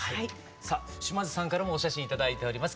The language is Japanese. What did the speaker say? さあ島津さんからもお写真頂いております。